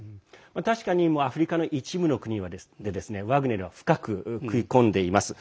確かにアフリカの一部の国ではワグネルは深く食い込んでいます。